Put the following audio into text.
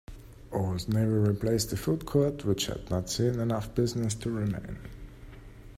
Old Navy replaced the food court which had not seen enough business to remain.